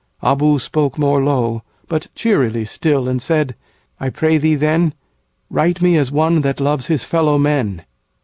Abou spoke more low, But cheerly still, and said, 'I pray thee, then, Write me as one that loves his fellow men.